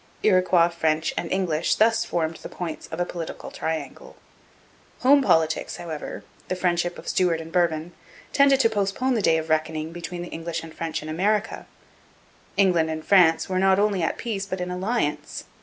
Iroquois, French, and English thus formed the points of a political triangle. Home politics, however the friendship of Stuart and Bourbon tended to postpone the day of reckoning between the English and French in America. England and France were not only at peace but in alliance.